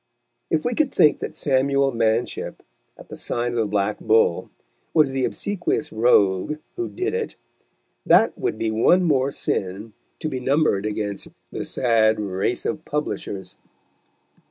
If we could think that Samuel Manship, at the Sign of the Black Bull, was the obsequious rogue who did it, that would be one more sin to be numbered against the sad race of publishers.